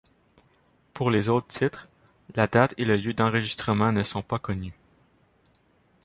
Pour les autres titres, la date et le lieu d'enregistrements ne sont pas connus.